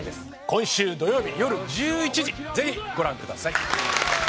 今週土曜日よる１１時ぜひご覧ください。